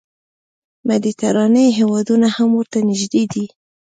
مدیترانې هېوادونه هم ورته نږدې دي.